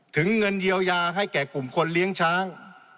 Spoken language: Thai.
เงินเยียวยาให้แก่กลุ่มคนเลี้ยงช้าง